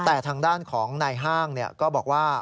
แต่ทางด้านของนายห้างก็บอกว่า